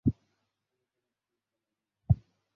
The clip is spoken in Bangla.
কিন্তু তারা ঠিক যেন অন্য বাড়ির লোক।